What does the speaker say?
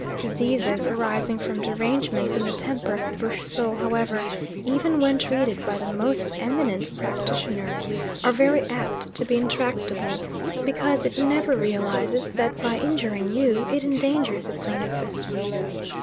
Diseases arising from derangements in the temper of the bush soul however, even when treated by the most eminent practitioners, are very apt to be intractable, because it never realises that by injuring you it endangers its own existence.